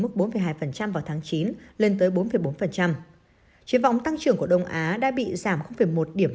mức bốn hai vào tháng chín lên tới bốn bốn triển vọng tăng trưởng của đông á đã bị giảm một điểm